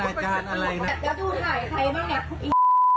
ใครบ้างเนี่ย